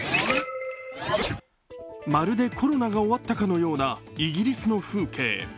まるでコロナが終わったかのようなイギリスの風景。